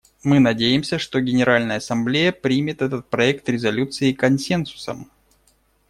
Мы надеемся, что Генеральная Ассамблея примет этот проект резолюции консенсусом.